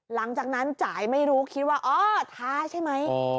หลังจากนั้นจ่ายไม่รู้คิดว่าอ๋อท้าใช่ไหม